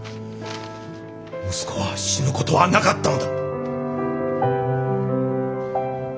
息子は死ぬことはなかったのだ！